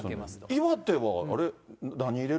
岩手は、あれ？